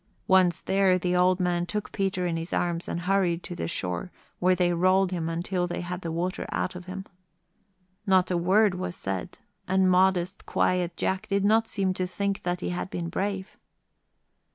Once there, the old man took Peter in his arms and hurried to shore, where they rolled him until they had the water out of him. Not a word was said, and modest, quiet Jack did not seem to think that he had been brave.